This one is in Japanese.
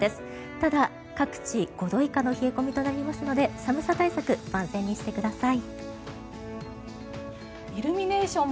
ただ各地、５度以下の冷え込みとなりますので寒さ対策、万全にしてください。